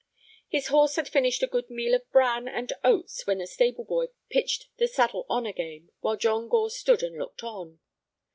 His horse had finished a good meal of bran and oats when a stable boy pitched the saddle on again, while John Gore stood and looked on.